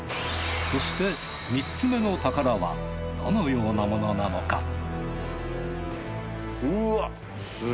そして３つ目の宝はどのようなものなのか？